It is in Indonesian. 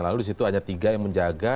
lalu disitu hanya tiga yang menjaga